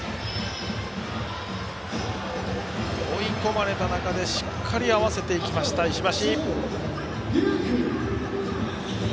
追い込まれた中でしっかり合わせていきました石橋。